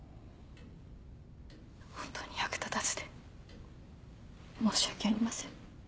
本当に役立たずで申し訳ありません。